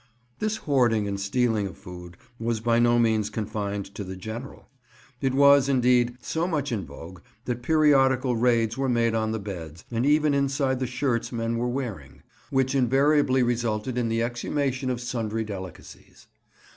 This hoarding and stealing of food was by no means confined to the "General"; it was, indeed, so much in vogue that periodical raids were made on the beds, and even inside the shirts men were wearing, which invariably resulted in the exhumation of sundry delicacies.